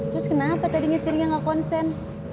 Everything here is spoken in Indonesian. terus kenapa tadi nyetirnya gak konsen